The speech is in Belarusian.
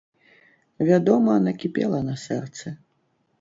Вядома, накіпела на сэрцы.